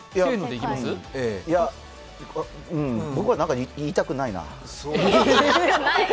僕は何か言いたくないな。